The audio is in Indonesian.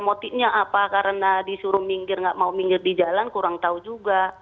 motifnya apa karena disuruh minggir nggak mau minggir di jalan kurang tahu juga